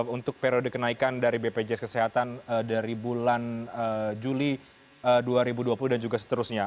untuk periode kenaikan dari bpjs kesehatan dari bulan juli dua ribu dua puluh dan juga seterusnya